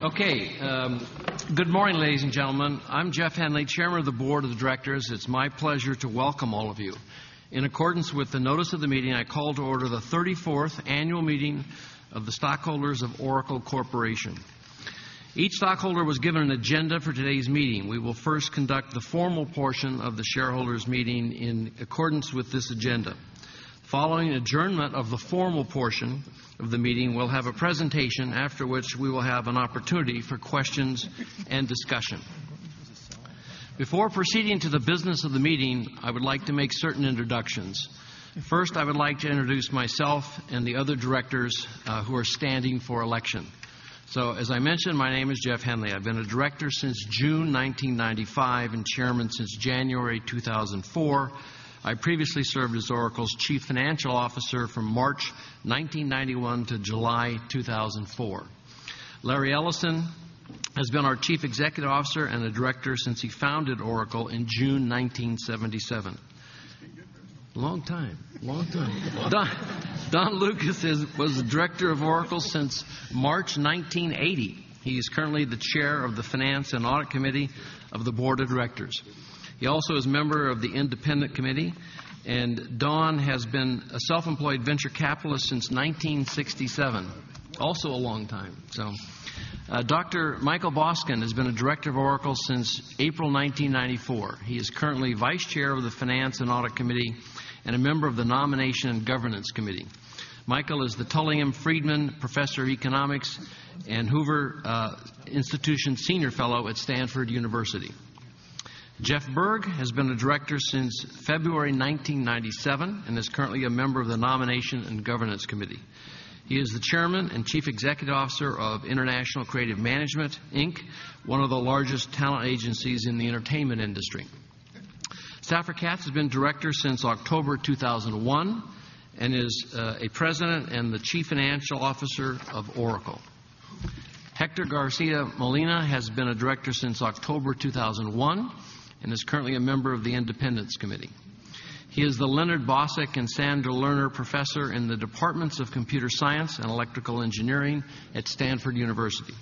Okay. Good morning, ladies and gentlemen. I'm Jeff Henley, Chairman of the Board of the Directors. It's my pleasure to welcome all of you. In accordance with the notice of the meeting, I call to order the 34th annual meeting of the stockholders of Oracle Corporation. Each stockholder was given an agenda for today's meeting. We will first conduct the formal portion of the shareholders' meeting in accordance with this agenda. Following adjournment of the formal portion of the meeting, we'll have a presentation, after which we will have an opportunity for questions and discussion. Before proceeding to the business of the meeting, I would like to make certain introductions. First, I would like to introduce myself and the other directors, who are standing for election. As I mentioned, my name is Jeff Henley. I've been a director since June 1995 and Chairman since January 2004. I previously served as Oracle's Chief Financial Officer from March 1991 to July 2004. Larry Ellison has been our Chief Executive Officer and a director since he founded Oracle in June 1977. Long time. Don Lucas was the director of Oracle since March 1980. He is currently the Chair of the Finance and Audit Committee of the Board of Directors. He also is a member of the Independent Committee, and Don has been a self-employed venture capitalist since 1967. Also a long time. Dr. Michael Boskin has been a director of Oracle since April 1994. He is currently Vice Chair of the Finance and Audit Committee and a member of the Nomination and Governance Committee. Michael is the Tully M. Friedman Professor of Economics and Hoover Institution Senior Fellow at Stanford University. Jeff Berg has been a director since February 1997 and is currently a member of the Nomination and Governance Committee. He is the Chairman and Chief Executive Officer of International Creative Management, Inc., one of the largest talent agencies in the entertainment industry. Safra Catz has been director since October 2001 and is a President and the Chief Financial Officer of Oracle. Hector Garcia-Molina has been a director since October 2001 and is currently a member of the Independence Committee. He is the Leonard Bosack and Sandra Lerner Professor in the departments of Computer Science and Electrical Engineering at Stanford University.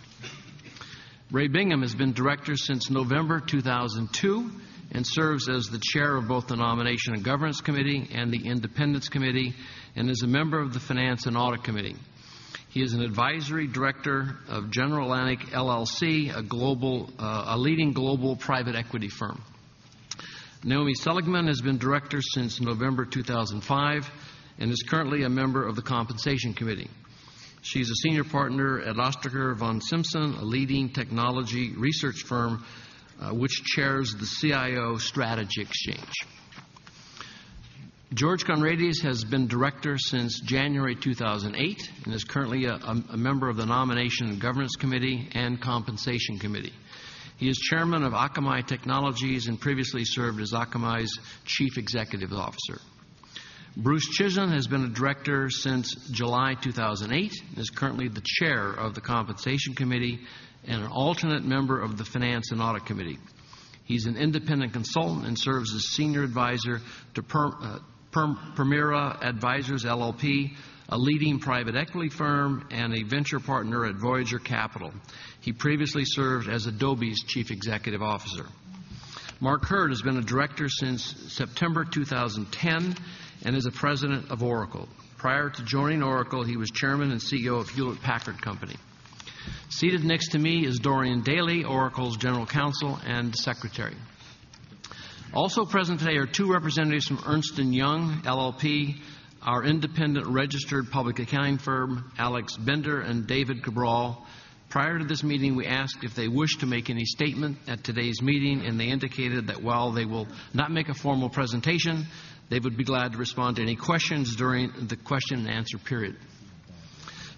Ray Bingham has been director since November 2002 and serves as the Chair of both the Nomination and Governance Committee and the Independence Committee and is a member of the Finance and Audit Committee. He is an advisory director of General Atlantic LLC, a leading global private equity firm. Naomi Seligman has been director since November 2005 and is currently a member of the Compensation Committee. She's a Senior Partner at Ostriker Von Simson, a leading technology research firm, which chairs the CIO Strategy Exchange. George Conrades has been director since January 2008 and is currently a member of the Nomination and Governance Committee and Compensation Committee. He is Chairman of Akamai Technologies and previously served as Akamai's Chief Executive Officer. Bruce Chizen has been a director since July 2008 and is currently the Chair of the Compensation Committee and an alternate member of the Finance and Audit Committee. He's an independent consultant and serves as Senior Advisor to Permira Advisers LLP, a leading private equity firm, and a Venture Partner at Voyager Capital. He previously served as Adobe's Chief Executive Officer. Mark Hurd has been a director since September 2010 and is a President of Oracle. Prior to joining Oracle, he was Chairman and CEO of Hewlett Packard. Seated next to me is Dorian Daley, Oracle's General Counsel and Secretary. Also present today are two representatives from Ernst & Young LLP, our independent registered public accounting firm, Alex Bender and David Cabral. Prior to this meeting, we asked if they wished to make any statement at today's meeting, and they indicated that while they will not make a formal presentation, they would be glad to respond to any questions during the question and answer period.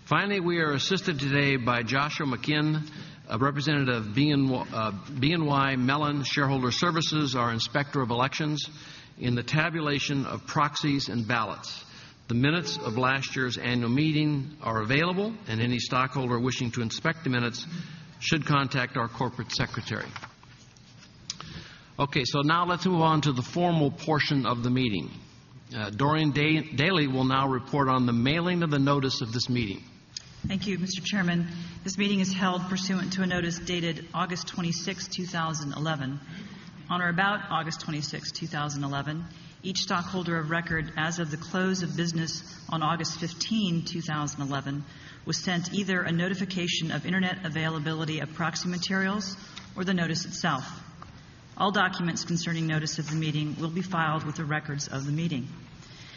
Finally, we are assisted today by Joshua McKinn, a representative of BNY Mellon Shareholder Services, our Inspector of Elections, in the tabulation of proxies and ballots. The minutes of last year's annual meeting are available, and any stockholder wishing to inspect the minutes should contact our Corporate Secretary. Okay. Now let's move on to the formal portion of the meeting. Dorian Daley will now report on the mailing of the notice of this meeting. Thank you, Mr. Chairman. This meeting is held pursuant to a notice dated August 26, 2011. On or about August 26, 2011, each stockholder of record as of the close of business on August 15, 2011, was sent either a notification of internet availability of proxy materials or the notice itself. All documents concerning notice of the meeting will be filed with the records of the meeting.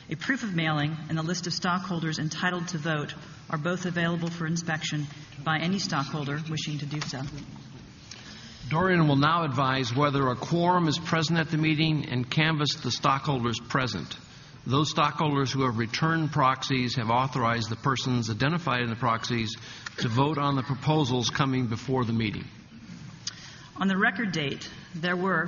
A proof of mailing and a list of stockholders entitled to vote are both available for inspection by any stockholder wishing to do so. Dorian will now advise whether a quorum is present at the meeting and canvass the stockholders present. Those stockholders who have returned proxies have authorized the persons identified in the proxies to vote on the proposals coming before the meeting. On the record date, there were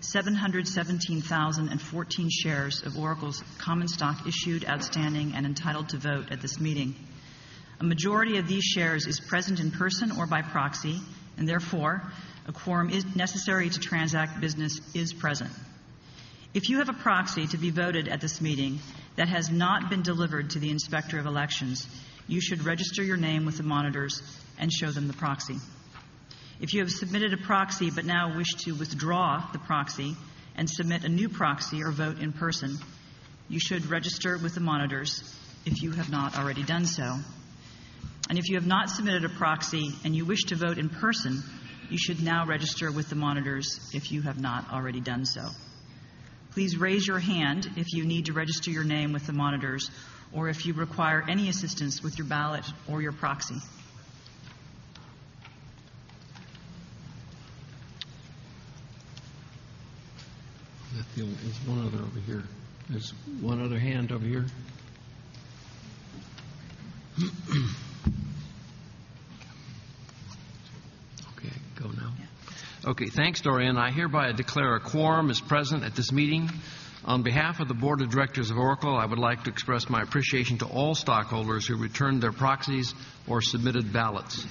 5,058,717,014 shares of Oracle's common stock issued, outstanding, and entitled to vote at this meeting. A majority of these shares is present in person or by proxy, and therefore, a quorum necessary to transact business is present. If you have a proxy to be voted at this meeting that has not been delivered to the inspector of elections, you should register your name with the monitors and show them the proxy. If you have submitted a proxy but now wish to withdraw the proxy and submit a new proxy or vote in person, you should register with the monitors if you have not already done so. If you have not submitted a proxy and you wish to vote in person, you should now register with the monitors if you have not already done so. Please raise your hand if you need to register your name with the monitors or if you require any assistance with your ballot or your proxy. There's one other hand over here. Okay. Go now. Okay. Thanks, Dorian. I hereby declare a quorum is present at this meeting. On behalf of the Board of Directors of Oracle, I would like to express my appreciation to all stockholders who returned their proxies or submitted ballots.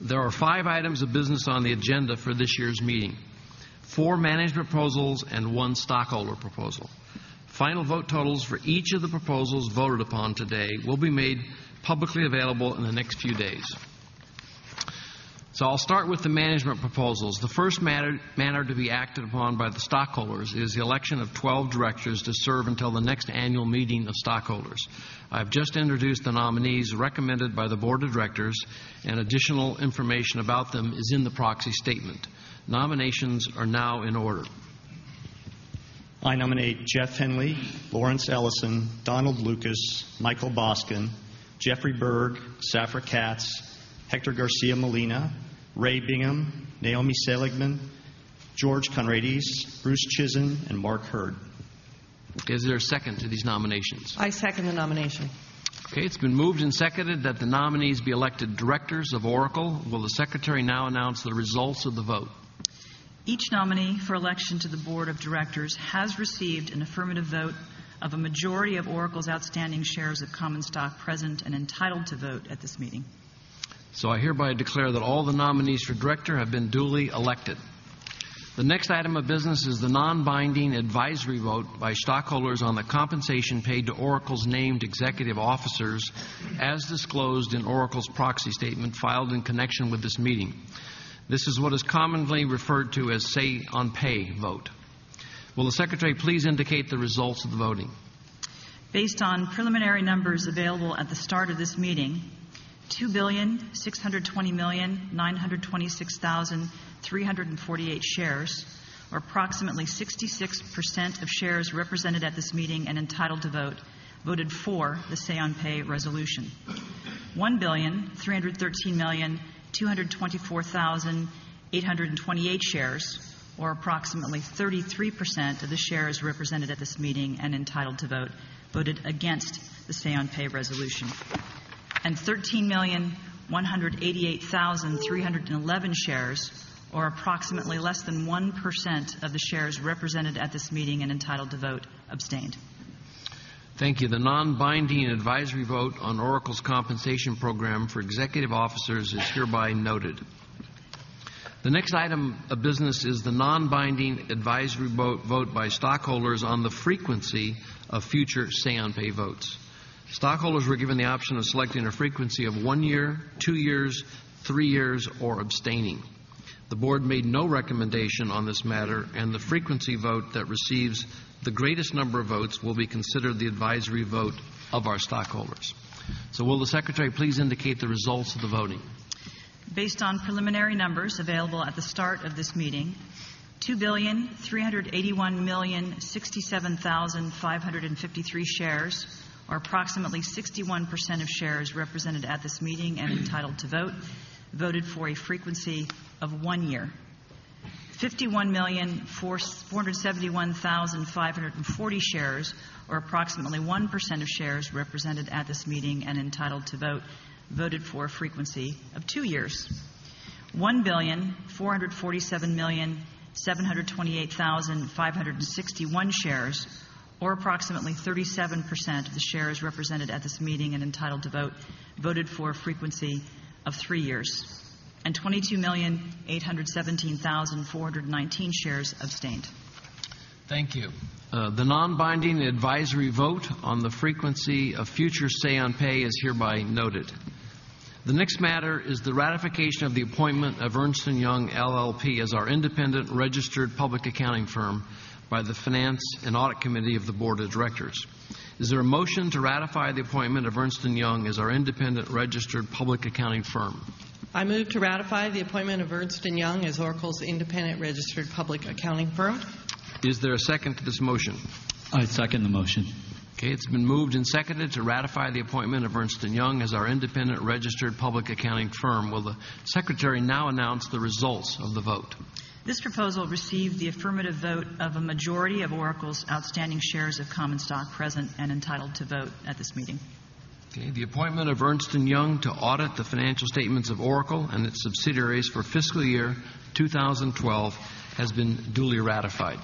There are five items of business on the agenda for this year's meeting: four management proposals and one stockholder proposal. Final vote totals for each of the proposals voted upon today will be made publicly available in the next few days. I'll start with the management proposals. The first matter to be acted upon by the stockholders is the election of 12 directors to serve until the next annual meeting of stockholders. I've just introduced the nominees recommended by the Board of Directors, and additional information about them is in the proxy statement. Nominations are now in order. I nominate Jeff Henley, Larry Ellison, Don Lucas, Michael Boskin, Jeff Berg, Safra Catz, Hector Garcia-Molina, Ray Bingham, Naomi Seligman, George Conrades, Bruce Chizen, and Mark Hurd. Okay. Is there a second to these nominations? I second the nomination. Okay. It's been moved and seconded that the nominees be elected directors of Oracle. Will the Secretary now announce the results of the vote? Each nominee for election to the Board of Directors has received an affirmative vote of a majority of Oracle's outstanding shares of common stock present and entitled to vote at this meeting. I hereby declare that all the nominees for Director have been duly elected. The next item of business is the non-binding advisory vote by stockholders on the compensation paid to Oracle's named executive officers, as disclosed in Oracle's proxy statement filed in connection with this meeting. This is what is commonly referred to as the say-on-pay vote. Will the Secretary please indicate the results of the voting? Based on preliminary numbers available at the start of this meeting, 2,620,926,348 shares, or approximately 66% of shares represented at this meeting and entitled to vote, voted for the say-on-pay resolution. 1,313,224,828 shares, or approximately 33% of the shares represented at this meeting and entitled to vote, voted against the say-on-pay resolution. 13,188,311 shares, or approximately less than 1% of the shares represented at this meeting and entitled to vote, abstained. Thank you. The non-binding advisory vote on Oracle's compensation program for executive officers is hereby noted. The next item of business is the non-binding advisory vote by stockholders on the frequency of future say-on-pay votes. Stockholders were given the option of selecting a frequency of one year, two years, three years, or abstaining. The Board made no recommendation on this matter, and the frequency vote that receives the greatest number of votes will be considered the advisory vote of our stockholders. Will the Secretary please indicate the results of the voting? Based on preliminary numbers available at the start of this meeting, 2,381,067,553 shares, or approximately 61% of shares represented at this meeting and entitled to vote, voted for a frequency of one year. 51,471,540 shares, or approximately 1% of shares represented at this meeting and entitled to vote, voted for a frequency of two years. 1,447,728,561 shares, or approximately 37% of the shares represented at this meeting and entitled to vote, voted for a frequency of three years. 22,817,419 shares abstained. Thank you. The non-binding advisory vote on the frequency of future say-on-pay is hereby noted. The next matter is the ratification of the appointment of Ernst & Young LLP as our independent registered public accounting firm by the Finance and Audit Committee of the Board of Directors. Is there a motion to ratify the appointment of Ernst & Young as our independent registered public accounting firm? I move to ratify the appointment of Ernst & Young LLP as Oracle's independent registered public accounting firm. Is there a second to this motion? I second the motion. Okay. It's been moved and seconded to ratify the appointment of Ernst & Young LLP as our independent registered public accounting firm. Will the Secretary now announce the results of the vote? This proposal received the affirmative vote of a majority of Oracle's outstanding shares of common stock present and entitled to vote at this meeting. Okay. The appointment of Ernst & Young LLP to audit the financial statements of Oracle and its subsidiaries for fiscal year 2012 has been duly ratified.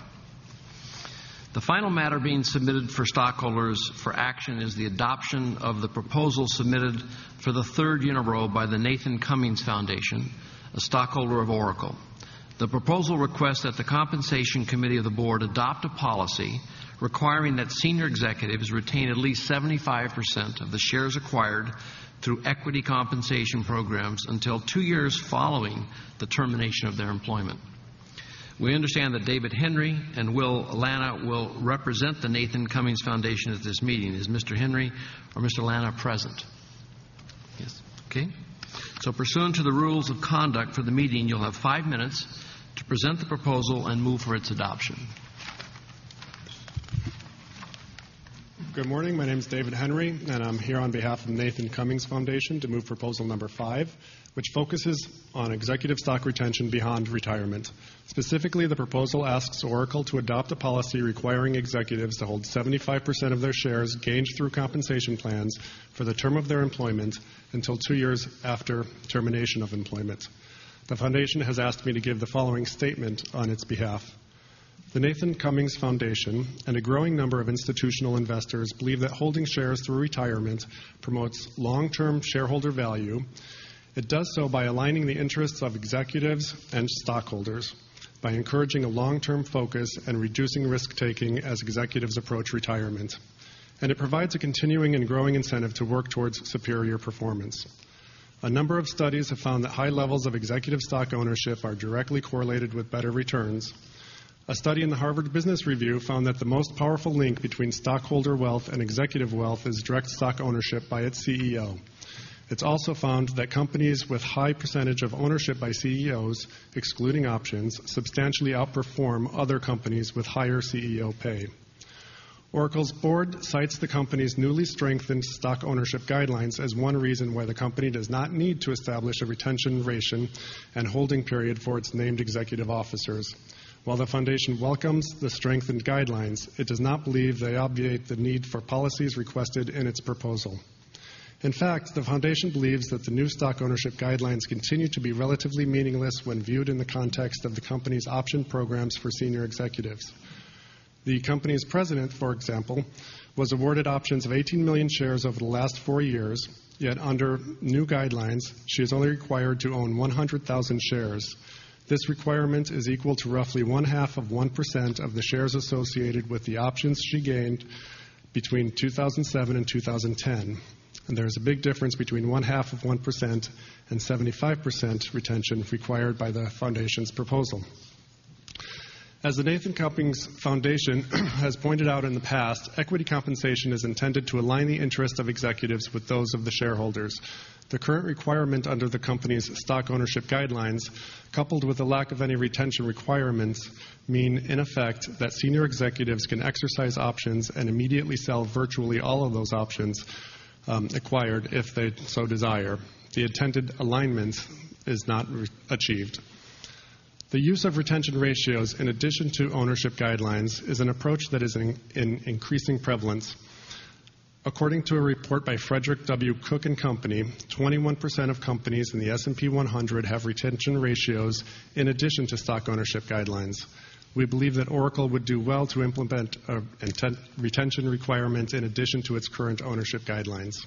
The final matter being submitted for stockholders for action is the adoption of the proposal submitted for the third year in a row by the Nathan Cummings Foundation, a stockholder of Oracle. The proposal requests that the Compensation Committee of the Board adopt a policy requiring that senior executives retain at least 75% of the shares acquired through equity compensation programs until two years following the termination of their employment. We understand that David Henry and Will Lana will represent the Nathan Cummings Foundation at this meeting. Is Mr. Henry or Mr. Lana present? Yes. Pursuant to the rules of conduct for the meeting, you'll have five minutes to present the proposal and move for its adoption. Good morning. My name is David Henry, and I'm here on behalf of the Nathan Cummings Foundation to move proposal number five, which focuses on executive stock retention beyond retirement. Specifically, the proposal asks Oracle to adopt a policy requiring executives to hold 75% of their shares gained through compensation plans for the term of their employment until two years after the termination of employment. The foundation has asked me to give the following statement on its behalf. The Nathan Cummings Foundation and a growing number of institutional investors believe that holding shares through retirement promotes long-term shareholder value. It does so by aligning the interests of executives and stockholders, by encouraging a long-term focus and reducing risk-taking as executives approach retirement. It provides a continuing and growing incentive to work towards superior performance. A number of studies have found that high levels of executive stock ownership are directly correlated with better returns. A study in the Harvard Business Review found that the most powerful link between stockholder wealth and executive wealth is direct stock ownership by its CEO. It is also found that companies with high percentage of ownership by CEOs, excluding options, substantially outperform other companies with higher CEO pay. Oracle's board cites the company's newly strengthened stock ownership guidelines as one reason why the company does not need to establish a retention ratio and holding period for its named executive officers. While the foundation welcomes the strengthened guidelines, it does not believe they obviate the need for policies requested in its proposal. In fact, the foundation believes that the new stock ownership guidelines continue to be relatively meaningless when viewed in the context of the company's option programs for senior executives. The company's President, for example, was awarded options of 18 million shares over the last four years. Yet under new guidelines, she is only required to own 100,000 shares. This requirement is equal to roughly one half of 1% of the shares associated with the options she gained between 2007 and 2010. There is a big difference between one half of 1% and 75% retention required by the foundation's proposal. As the Nathan Cummings Foundation has pointed out in the past, equity compensation is intended to align the interests of executives with those of the shareholders. The current requirement under the company's stock ownership guidelines, coupled with the lack of any retention requirements, means in effect that senior executives can exercise options and immediately sell virtually all of those options acquired if they so desire. The intended alignment is not achieved. The use of retention ratios in addition to ownership guidelines is an approach that is in increasing prevalence. According to a report by Frederick W. Cook and Company, 21% of companies in the S&P 100 have retention ratios in addition to stock ownership guidelines. We believe that Oracle would do well to implement retention requirements in addition to its current ownership guidelines.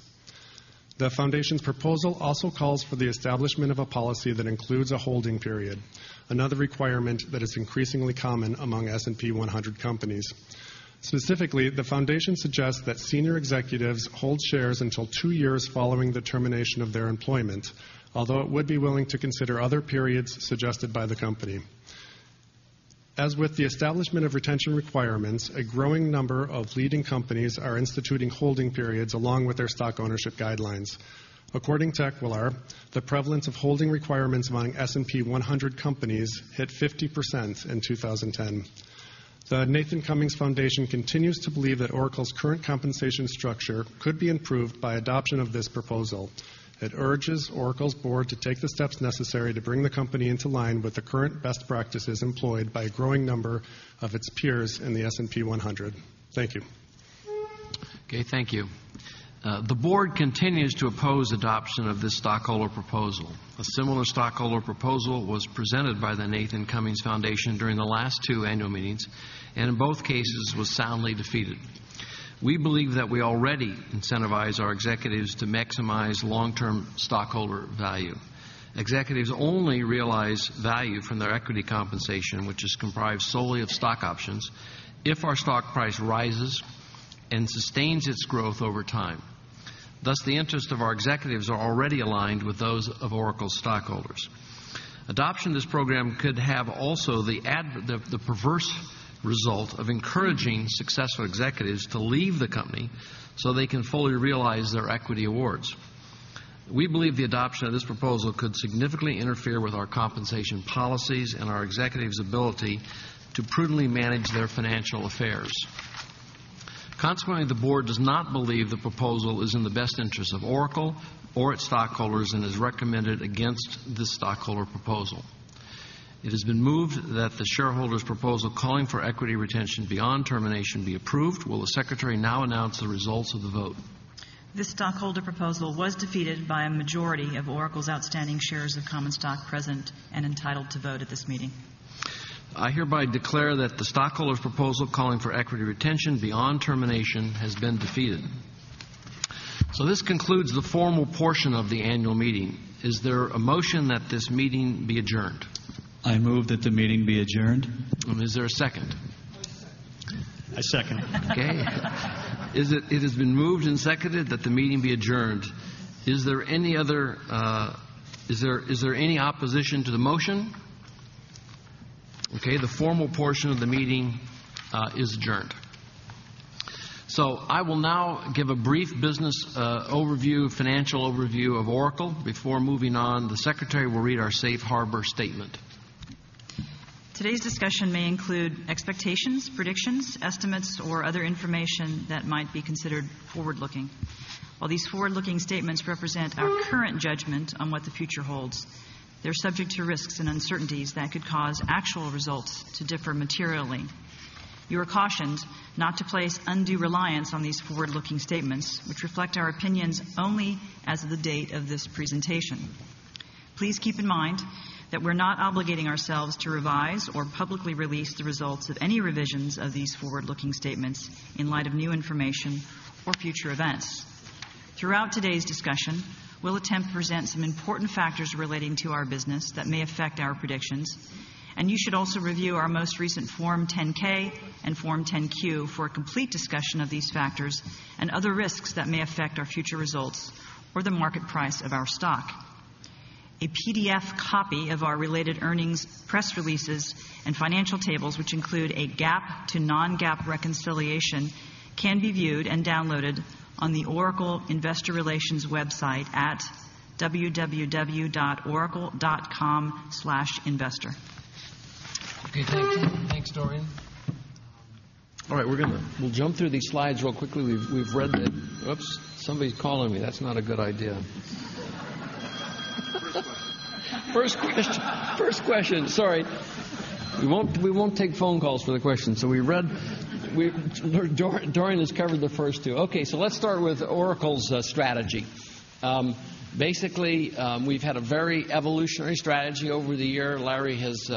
The foundation's proposal also calls for the establishment of a policy that includes a holding period, another requirement that is increasingly common among S&P 100 companies. Specifically, the foundation suggests that senior executives hold shares until two years following the termination of their employment, although it would be willing to consider other periods suggested by the company. As with the establishment of retention requirements, a growing number of leading companies are instituting holding periods along with their stock ownership guidelines. According to Equilab, the prevalence of holding requirements among S&P 100 companies hit 50% in 2010. The Nathan Cummings Foundation continues to believe that Oracle's current compensation structure could be improved by adoption of this proposal. It urges Oracle's board to take the steps necessary to bring the company into line with the current best practices employed by a growing number of its peers in the S&P 100. Thank you. Okay. Thank you. The board continues to oppose adoption of this stockholder proposal. A similar stockholder proposal was presented by the Nathan Cummings Foundation during the last two annual meetings, and in both cases was soundly defeated. We believe that we already incentivize our executives to maximize long-term stockholder value. Executives only realize value from their equity compensation, which is comprised solely of stock options, if our stock price rises and sustains its growth over time. Thus, the interests of our executives are already aligned with those of Oracle's stockholders. Adoption of this program could also have the perverse result of encouraging successful executives to leave the company so they can fully realize their equity awards. We believe the adoption of this proposal could significantly interfere with our compensation policies and our executives' ability to prudently manage their financial affairs. Consequently, the board does not believe the proposal is in the best interests of Oracle or its stockholders and is recommended against this stockholder proposal. It has been moved that the shareholders' proposal calling for equity retention beyond termination be approved. Will the secretary now announce the results of the vote? This stockholder proposal was defeated by a majority of Oracle's outstanding shares of common stock present and entitled to vote at this meeting. I hereby declare that the stockholders' proposal calling for equity retention beyond termination has been defeated. This concludes the formal portion of the annual meeting. Is there a motion that this meeting be adjourned? I move that the meeting be adjourned. Is there a second? I second. Okay. It has been moved and seconded that the meeting be adjourned. Is there any opposition to the motion? Okay. The formal portion of the meeting is adjourned. I will now give a brief business overview, financial overview of Oracle before moving on. The secretary will read our safe harbor statement. Today's discussion may include expectations, predictions, estimates, or other information that might be considered forward-looking. While these forward-looking statements represent our current judgment on what the future holds, they're subject to risks and uncertainties that could cause actual results to differ materially. You are cautioned not to place undue reliance on these forward-looking statements, which reflect our opinions only as of the date of this presentation. Please keep in mind that we're not obligating ourselves to revise or publicly release the results of any revisions of these forward-looking statements in light of new information or future events. Throughout today's discussion, we'll attempt to present some important factors relating to our business that may affect our predictions, and you should also review our most recent Form 10-K and Form 10-Q for a complete discussion of these factors and other risks that may affect our future results or the market price of our stock. A PDF copy of our related earnings, press releases, and financial tables, which include a GAAP to non-GAAP reconciliation, can be viewed and downloaded on the Oracle Investor Relations website at www.oracle.com/investor. Okay. Thank you. Thanks, Dorian. All right. We're going to, we'll jump through these slides real quickly. We've read that. Oops. Somebody's calling me. That's not a good idea. First question. First question. Sorry. We won't take phone calls for the questions. We read, Dorian has covered the first two. Okay. Let's start with Oracle's strategy. Basically, we've had a very evolutionary strategy over the year. Larry has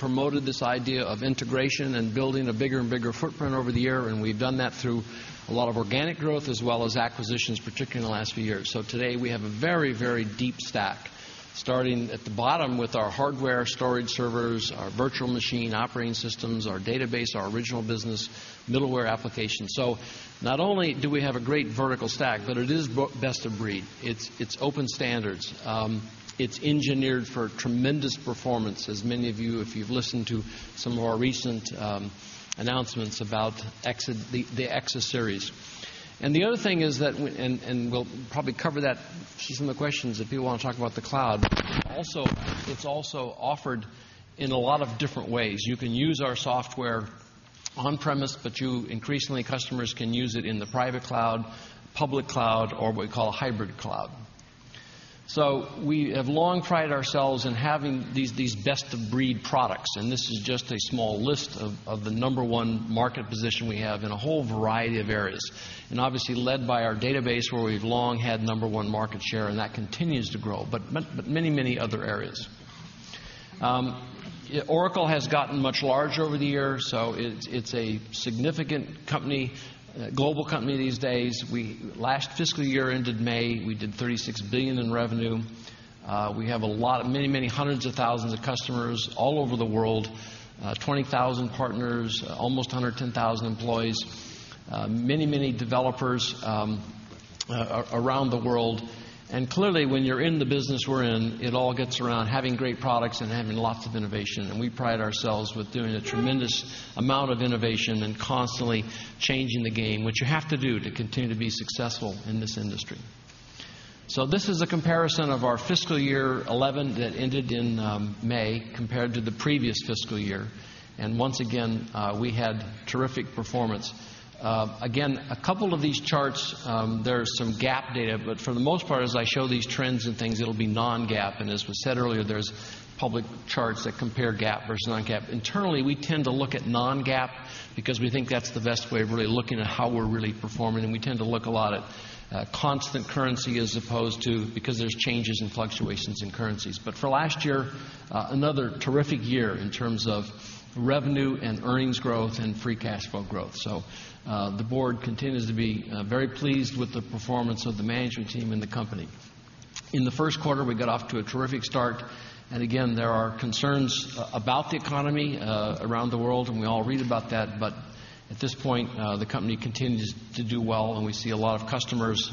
promoted this idea of integration and building a bigger and bigger footprint over the year, and we've done that through a lot of organic growth as well as acquisitions, particularly in the last few years. Today we have a very, very deep stack, starting at the bottom with our hardware, storage servers, our virtual machine operating systems, our database, our original business, middleware applications. Not only do we have a great vertical stack, but it is best of breed. It's open standards. It's engineered for tremendous performance, as many of you, if you've listened to some of our recent announcements about the Exa series. The other thing is that, and we'll probably cover that in some of the questions if you want to talk about the cloud. Also, it's also offered in a lot of different ways. You can use our software on-premise, but you, increasingly, customers can use it in the private cloud, public cloud, or what we call a hybrid cloud. We have long prided ourselves on having these best-of-breed products, and this is just a small list of the number one market position we have in a whole variety of areas. Obviously, led by our database, where we've long had number one market share, and that continues to grow, but many, many other areas. Oracle has gotten much larger over the years, so it's a significant company, a global company these days. We last fiscal year ended May. We did $36 billion in revenue. We have many, many hundreds of thousands of customers all over the world, 20,000 partners, almost 110,000 employees, many, many developers around the world. Clearly, when you're in the business we're in, it all gets around having great products and having lots of innovation. We pride ourselves with doing a tremendous amount of innovation and constantly changing the game, which you have to do to continue to be successful in this industry. This is a comparison of our fiscal year 2011 that ended in May compared to the previous fiscal year. Once again, we had terrific performance. A couple of these charts, there's some GAAP data, but for the most part, as I show these trends and things, it'll be non-GAAP. As was said earlier, there's public charts that compare GAAP versus non-GAAP. Internally, we tend to look at non-GAAP because we think that's the best way of really looking at how we're really performing. We tend to look a lot at constant currency as opposed to because there's changes and fluctuations in currencies. For last year, another terrific year in terms of revenue and earnings growth and free cash flow growth. The board continues to be very pleased with the performance of the management team in the company. In the first quarter, we got off to a terrific start. There are concerns about the economy around the world, and we all read about that. At this point, the company continues to do well, and we see a lot of customers.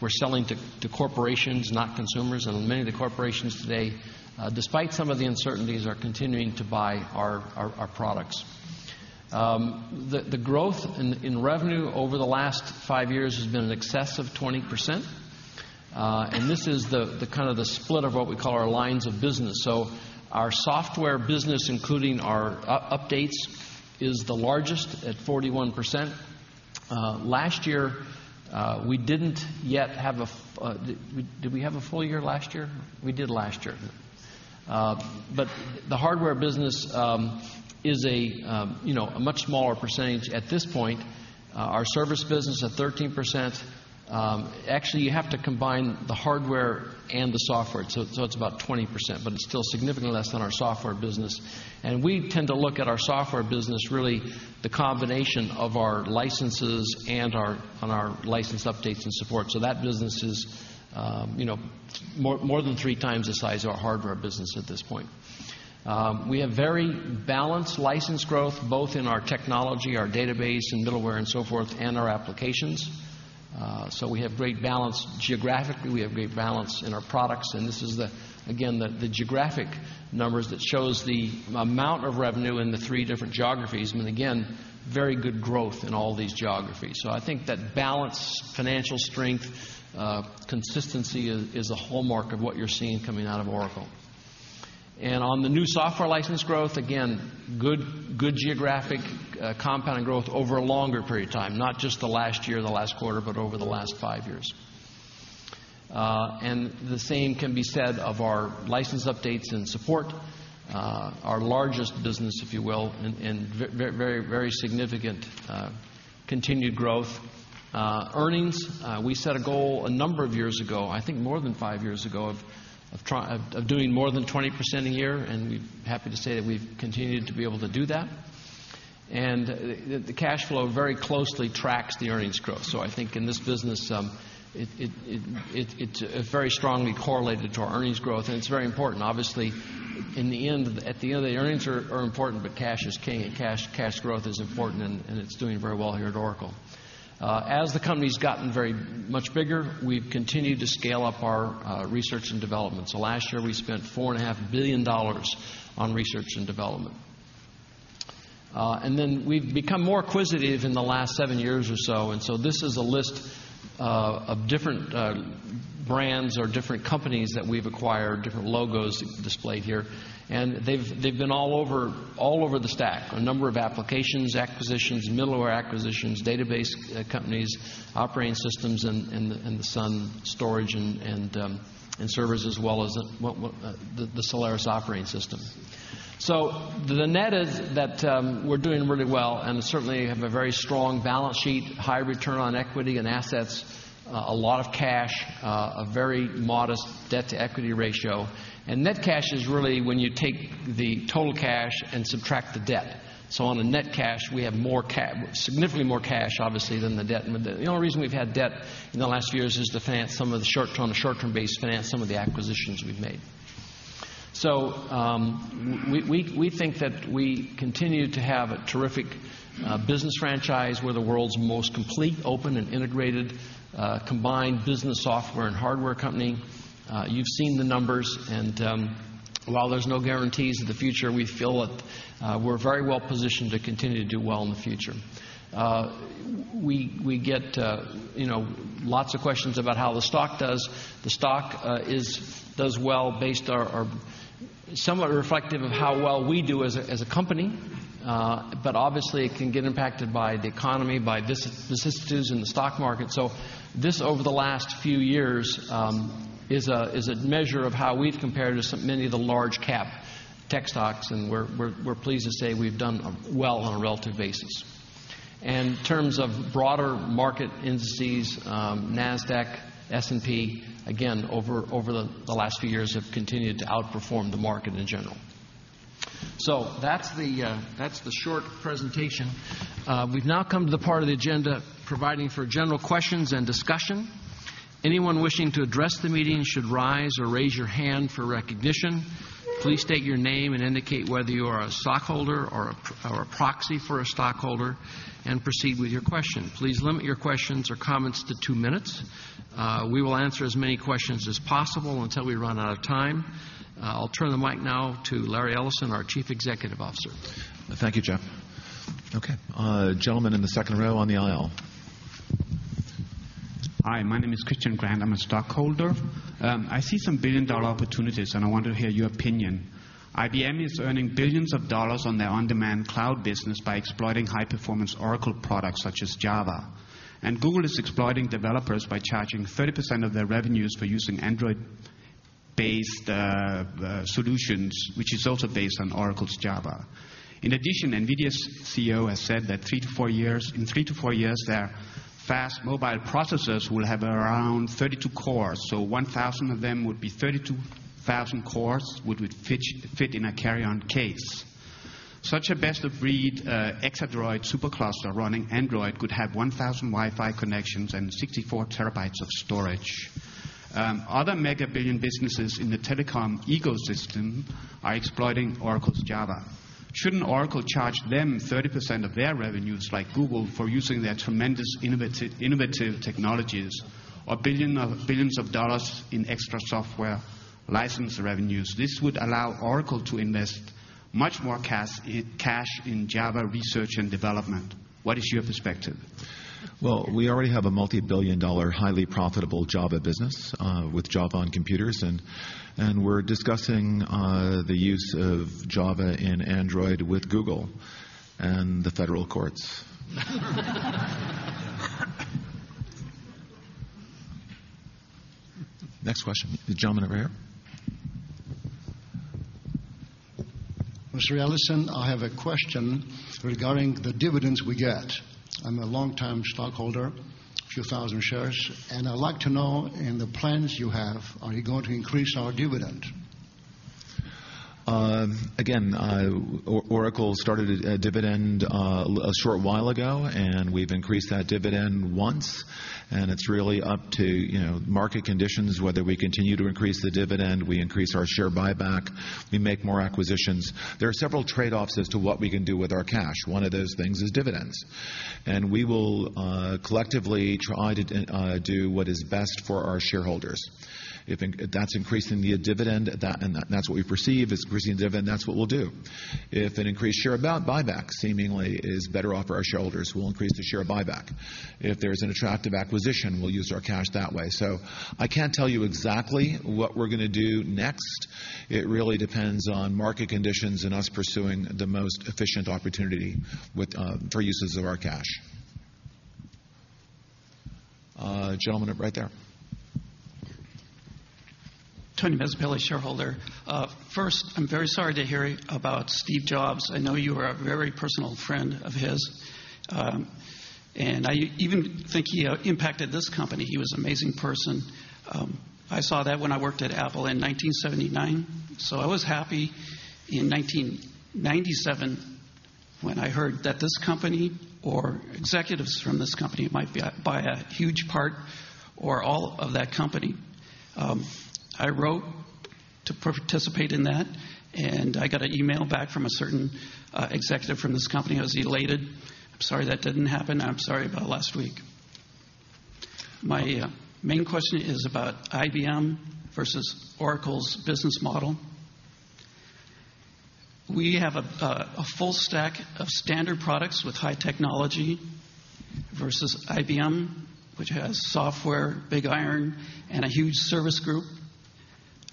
We're selling to corporations, not consumers. Many of the corporations today, despite some of the uncertainties, are continuing to buy our products. The growth in revenue over the last five years has been in excess of 20%. This is the split of what we call our lines of business. Our software business, including our updates, is the largest at 41%. Last year, we didn't yet have a full year last year. We did last year. The hardware business is a much smaller percentage at this point. Our service business at 13%. Actually, you have to combine the hardware and the software, so it's about 20%, but it's still significantly less than our software business. We tend to look at our software business as really the combination of our licenses and our license updates and support. That business is more than 3x the size of our hardware business at this point. We have very balanced license growth, both in our technology, our database, and middleware, and so forth, and our applications. We have great balance geographically. We have great balance in our products. This is the geographic numbers that show the amount of revenue in the three different geographies. Very good growth in all these geographies. I think that balance, financial strength, consistency is a hallmark of what you're seeing coming out of Oracle. On the new software license growth, again, good geographic, compound growth over a longer period of time, not just the last year, the last quarter, but over the last five years. The same can be said of our license updates and support, our largest business, if you will, and very significant, continued growth. Earnings, we set a goal a number of years ago, I think more than five years ago, of doing more than 20% a year, and we're happy to say that we've continued to be able to do that. The cash flow very closely tracks the earnings growth. I think in this business, it's very strongly correlated to our earnings growth, and it's very important. Obviously, in the end, the earnings are important, but cash is king, and cash growth is important, and it's doing very well here at Oracle. As the company's gotten very much bigger, we've continued to scale up our research and development. Last year, we spent $4.5 billion on research and development. We've become more inquisitive in the last seven years or so. This is a list of different brands or different companies that we've acquired, different logos displayed here. They've been all over the stack. A number of applications acquisitions, middleware acquisitions, database companies, operating systems, and the Sun storage and servers, as well as the Solaris operating system. The net is that we're doing really well, and certainly have a very strong balance sheet, high return on equity and assets, a lot of cash, a very modest debt-to-equity ratio. Net cash is really when you take the total cash and subtract the debt. On a net cash basis, we have significantly more cash, obviously, than the debt. The only reason we've had debt in the last few years is to finance some of the short-term, short-term-based finance, some of the acquisitions we've made. We think that we continue to have a terrific business franchise. We're the world's most complete, open, and integrated, combined business software and hardware company. You've seen the numbers, and while there's no guarantees of the future, we feel that we're very well positioned to continue to do well in the future. We get, you know, lots of questions about how the stock does. The stock does well based on, on somewhat reflective of how well we do as a company. Obviously, it can get impacted by the economy, by disasters in the stock market. Over the last few years, this is a measure of how we've compared to many of the large-cap tech stocks, and we're pleased to say we've done well on a relative basis. In terms of broader market indices, NASDAQ, S&P, over the last few years we have continued to outperform the market in general. That's the short presentation. We've now come to the part of the agenda providing for general questions and discussion. Anyone wishing to address the meeting should rise or raise your hand for recognition. Please state your name and indicate whether you are a stockholder or a proxy for a stockholder and proceed with your question. Please limit your questions or comments to two minutes. We will answer as many questions as possible until we run out of time. I'll turn the mic now to Larry Ellison, our Chief Executive Officer. Thank you, Jeff. Okay, gentleman in the second row on the aisle. Hi. My name is Christian Brand. I'm a stockholder. I see some billion-dollar opportunities, and I want to hear your opinion. IBM is earning billions of dollars on their on-demand cloud business by exploiting high-performance Oracle products such as Java. Google is exploiting developers by charging 30% of their revenues for using Android-based solutions, which is also based on Oracle's Java. In addition, NVIDIA's CEO has said that in three to four years, their fast mobile processors will have around 32 cores. 1,000 of them would be 32,000 cores, which would fit in a carry-on case. Such a best-of-breed Exadroid supercluster running Android could have 1,000 Wi-Fi connections and 64 TB of storage. Other mega billion businesses in the telecom ecosystem are exploiting Oracle's Java. Shouldn't Oracle charge them 30% of their revenues, like Google, for using their tremendous innovative technologies or billions of dollars in extra software license revenues? This would allow Oracle to invest much more cash in Java research and development. What is your perspective? We already have a multi-billion dollar, highly profitable Java business, with Java on computers. We're discussing the use of Java in Android with Google and the federal courts. Next question. The gentleman over here. Mr. Ellison, I have a question regarding the dividends we get. I'm a long-time stockholder, a few thousand shares, and I'd like to know, in the plans you have, are you going to increase our dividend? Again, Oracle started a dividend a short while ago, and we've increased that dividend once. It's really up to market conditions whether we continue to increase the dividend, we increase our share buyback, or we make more acquisitions. There are several trade-offs as to what we can do with our cash. One of those things is dividends. We will collectively try to do what is best for our shareholders. If that's increasing the dividend, and that's what we perceive is increasing the dividend, that's what we'll do. If an increased share buyback seemingly is better off for our shareholders, we'll increase the share buyback. If there's an attractive acquisition, we'll use our cash that way. I can't tell you exactly what we're going to do next. It really depends on market conditions and us pursuing the most efficient opportunity for uses of our cash. Gentleman up right there. Tony Mezzapelle, a shareholder. First, I'm very sorry to hear about Steve Jobs. I know you were a very personal friend of his, and I even think he impacted this company. He was an amazing person. I saw that when I worked at Apple in 1979. I was happy in 1997 when I heard that this company or executives from this company might buy a huge part or all of that company. I wrote to participate in that, and I got an email back from a certain executive from this company. I was elated. I'm sorry that didn't happen. I'm sorry about last week. My main question is about IBM versus Oracle's business model. We have a full stack of standard products with high technology versus IBM, which has software, big iron, and a huge service group.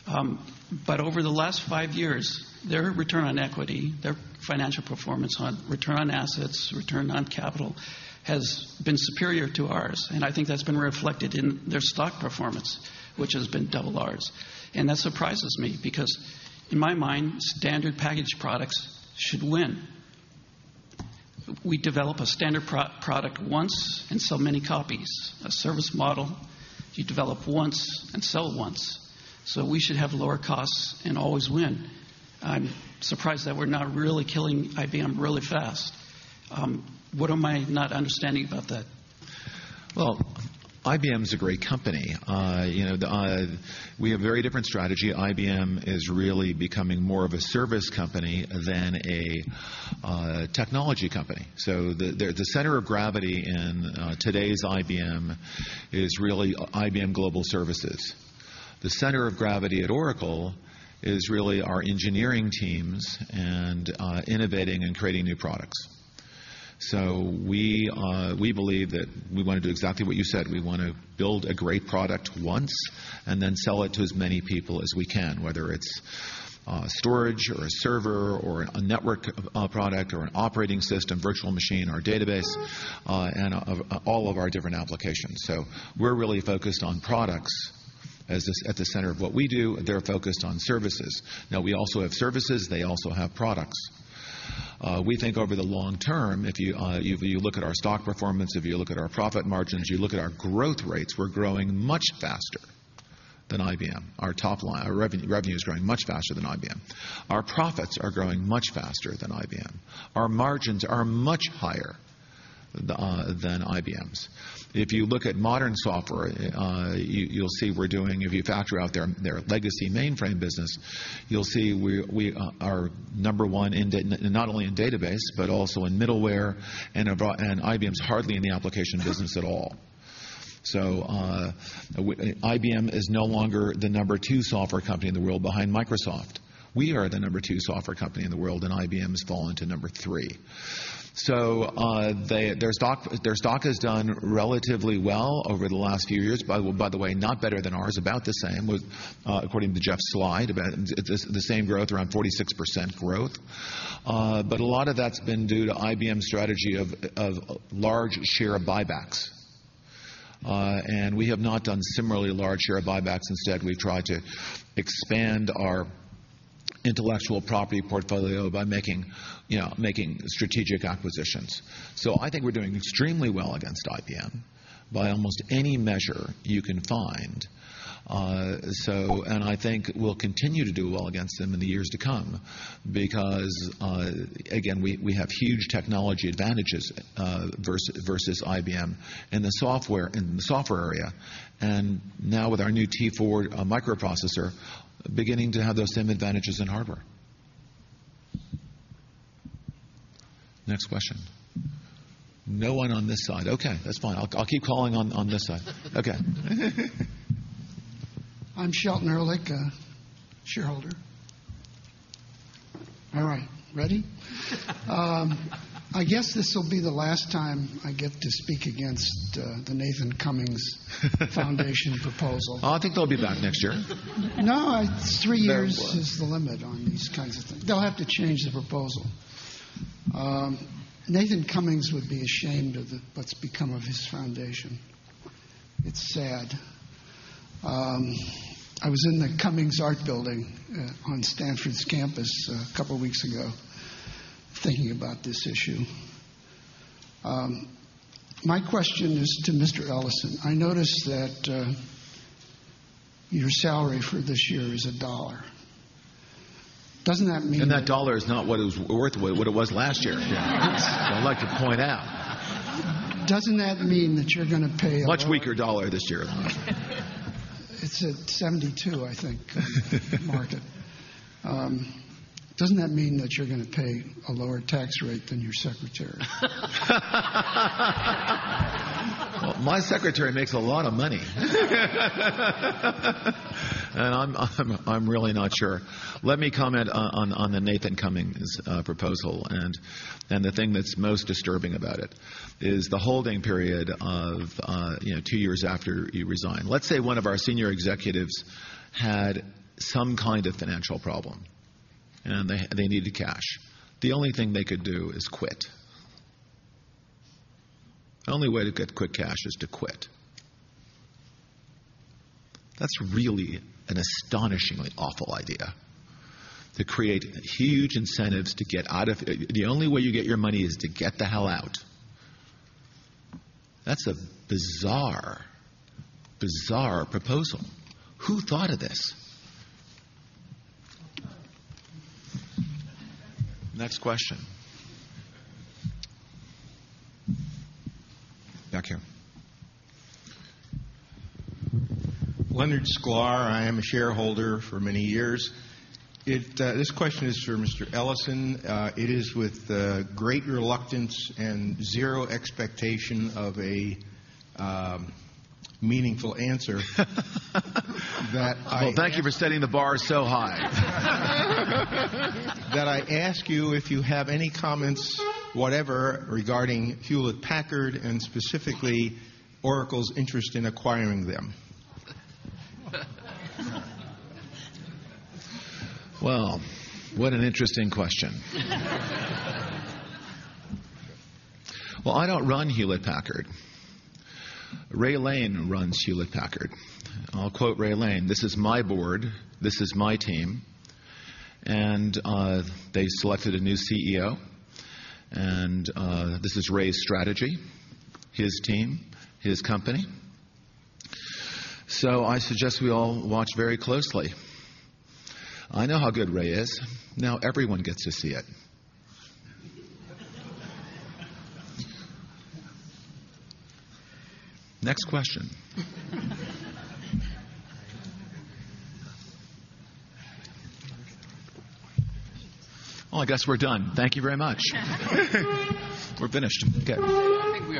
Over the last five years, their return on equity, their financial performance on return on assets, return on capital has been superior to ours. I think that's been reflected in their stock performance, which has been double ours. That surprises me because, in my mind, standard packaged products should win. We develop a standard product once and sell many copies. A service model, you develop once and sell once. We should have lower costs and always win. I'm surprised that we're not really killing IBM really fast. What am I not understanding about that? IBM is a great company. We have a very different strategy. IBM is really becoming more of a service company than a technology company. The center of gravity in today's IBM is really IBM Global Services. The center of gravity at Oracle is really our engineering teams and innovating and creating new products. We believe that we want to do exactly what you said. We want to build a great product once and then sell it to as many people as we can, whether it's storage or a server or a network product or an operating system, virtual machine, or database, and all of our different applications. We're really focused on products as the center of what we do. They're focused on services. We also have services. They also have products. We think over the long term, if you look at our stock performance, if you look at our profit margins, you look at our growth rates, we're growing much faster than IBM. Our top line, our revenue is growing much faster than IBM. Our profits are growing much faster than IBM. Our margins are much higher than IBM's. If you look at modern software, you'll see we're doing, if you factor out their legacy mainframe business, you'll see we are number one not only in database but also in middleware, and IBM's hardly in the application business at all. IBM is no longer the number two software company in the world behind Microsoft. We are the number two software company in the world, and IBM has fallen to number three. Their stock has done relatively well over the last few years. By the way, not better than ours, about the same, according to Jeff's slide, about the same growth, around 46% growth. A lot of that's been due to IBM's strategy of large share buybacks. We have not done similarly large share buybacks. Instead, we try to expand our intellectual property portfolio by making strategic acquisitions. I think we're doing extremely well against IBM by almost any measure you can find. I think we'll continue to do well against them in the years to come because, again, we have huge technology advantages versus IBM in the software area. Now, with our new T4 microprocessor, we're beginning to have those same advantages in hardware. Next question. No one on this side. That's fine. I'll keep calling on this side. Okay. I'm Shelton Ehrlich, shareholder. All right. Ready? I guess this will be the last time I get to speak against the Nathan Cummings Foundation proposal. Oh, I think they'll be back next year. No, it's three years. Oh, boy. Is the limit on these kinds of things. They'll have to change the proposal. Nathan Cummings would be ashamed of what's become of his foundation. It's sad. I was in the Cummings Art Building, on Stanford's campus, a couple of weeks ago thinking about this issue. My question is to Mr. Ellison. I noticed that your salary for this year is $1. Doesn't that mean? That dollar is not what it was worth, what it was last year, Shel. I'd like to point out. Doesn't that mean that you're going to pay a? Much weaker dollar this year. It's at 72, I think, the market. Doesn't that mean that you're going to pay a lower tax rate than your secretary? My secretary makes a lot of money. I'm really not sure. Let me comment on the Nathan Cummings proposal. The thing that's most disturbing about it is the holding period of, you know, two years after you resign. Let's say one of our senior executives had some kind of financial problem and they needed cash. The only thing they could do is quit. The only way to get quick cash is to quit. That's really an astonishingly awful idea to create huge incentives to get out of, the only way you get your money is to get the hell out. That's a bizarre, bizarre proposal. Who thought of this? Next question. Back here. Leonard Squire, I am a shareholder for many years. This question is for Mr. Ellison. It is with great reluctance and zero expectation of a meaningful answer that I. Thank you for setting the bar so high. I ask you if you have any comments, whatever, regarding Hewlett Packard and specifically Oracle's interest in acquiring them. That is an interesting question. I don't run Hewlett Packard. Ray Lane runs Hewlett Packard. I'll quote Ray Lane. This is my board. This is my team. They selected a new CEO. This is Ray's strategy, his team, his company. I suggest we all watch very closely. I know how good Ray is. Now everyone gets to see it. Next question. I guess we're done. Thank you very much. We're finished. Okay. I think.